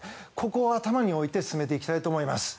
ここを頭に置いて進めていきたいと思います。